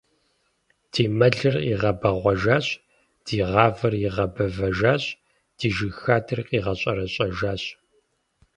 Ди мэлыр игъэбэгъуэжащ, ди гъавэр игъэбэвыжащ, ди жыг хадэр къигъэщӀэрэщӀэжащ!